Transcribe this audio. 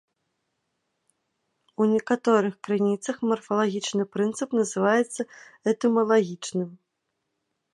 У некаторых крыніцах марфалагічны прынцып называецца этымалагічным.